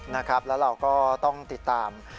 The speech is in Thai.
แล้วเราก็ต้องติดตาม